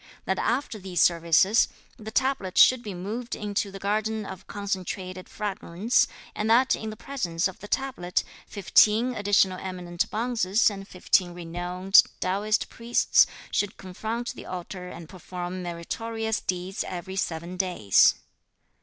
That after these services, the tablet should be moved into the Garden of Concentrated Fragrance, and that in the presence of the tablet, fifteen additional eminent bonzes and fifteen renowned Taoist Priests should confront the altar and perform meritorious deeds every seven days.